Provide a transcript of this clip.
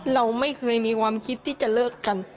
เราไม่เคยมีความคิดที่จะเลิกกัน